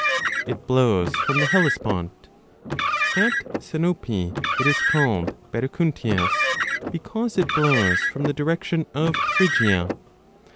It blows from the Hellespont. [At Sinope it is 2 5 called Berecyntias, because it blows from the direction of Phrygia.